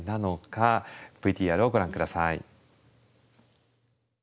ＶＴＲをご覧下さい。